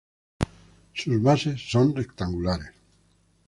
Sus bases son rectangulares.